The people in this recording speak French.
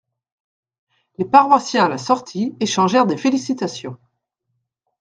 Les paroissiens à la sortie, échangèrent des félicitations.